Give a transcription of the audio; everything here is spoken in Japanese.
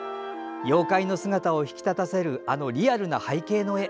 妖怪の姿を引き立たせるあのリアルな背景の絵。